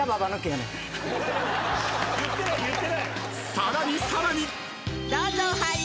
［さらにさらに！］